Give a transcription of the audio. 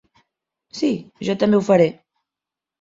Sí, jo també ho faré.